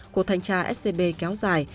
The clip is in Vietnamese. cuộc thanh tra scb kéo dài